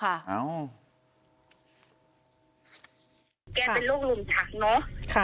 แกเป็นโรคลมชักเนาะ